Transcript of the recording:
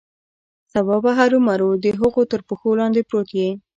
سبا به هرومرو د هغه تر پښو لاندې پروت یې.